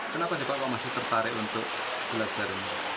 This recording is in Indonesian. kenapa pak pak masih tertarik untuk belajar